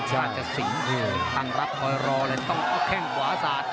ราชสิงห์ตั้งรับคอยรอเลยต้องเอาแข้งขวาสาด